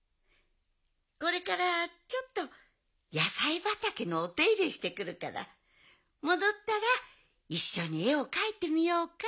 これからちょっとやさいばたけのおていれしてくるからもどったらいっしょにえをかいてみようか？